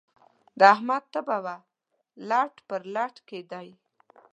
د احمد تبه وه؛ لټ پر لټ کېدی.